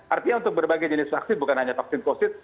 artinya untuk berbagai jenis vaksin bukan hanya vaksin covid